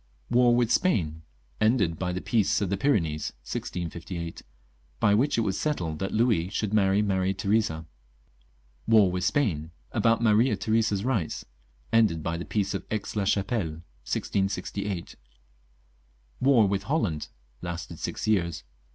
War with Spain. Ended by the Peace of the Pyrenees, 1658. (By which it was settled that Louis should marry Maria Theresa.) War with Spain (about Maria Theresa's rights). Ended by the Peace of Aix la Chapelle, 1668. War with Holland (lasted six years).